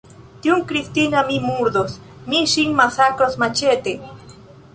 Tiun Kristinan mi murdos, mi ŝin masakros maĉete!